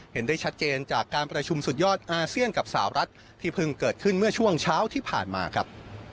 เห็นได้ชัดเจนจากการประชุมสุดยอดอาเซียนกับสาวรัฐที่เพิ่งเกิดขึ้นเมื่อช่วงเช้าที่ผ่านมาครับ